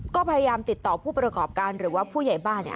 ก็พยายามติดต่อผู้ประกอบการหรือว่าผู้ใหญ่บ้านเนี่ย